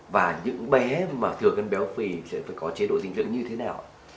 và những bé mà thừa cân béo phỉ sẽ có chế độ dinh dưỡng như thế nào